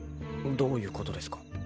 どういうことですか？